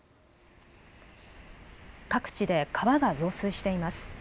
各地で川が増水しています。